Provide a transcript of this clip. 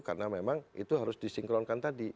karena memang itu harus disinkronkan tadi